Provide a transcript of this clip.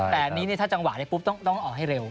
แต่อันนี้ถ้าจังหวะได้ปุ๊บต้องออกให้เร็ว